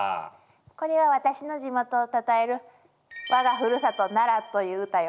これは私の地元をたたえる「我がふるさと奈良」という歌よ。